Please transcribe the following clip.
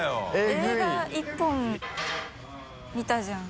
映画１本見たじゃん。